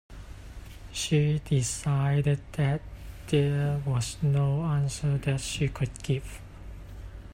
She decided that there was no answer that she could give.